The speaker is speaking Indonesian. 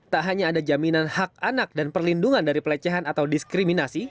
tak hanya ada jaminan hak anak dan perlindungan dari pelecehan atau diskriminasi